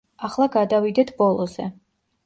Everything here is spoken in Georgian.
ახლა გადავიდეთ ბოლოზე.